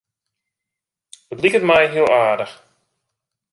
It liket my hiel aardich.